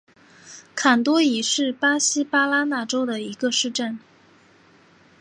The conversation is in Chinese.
坎多伊是巴西巴拉那州的一个市镇。